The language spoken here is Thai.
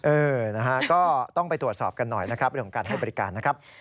เออนะฮะก็ต้องไปตรวจสอบกันหน่อยนะครับเรื่องของการให้บริการนะครับ